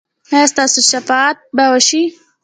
ایا ستاسو شفاعت به وشي؟